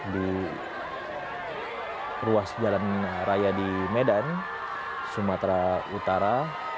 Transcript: di ruas jalan raya di medan sumatera utara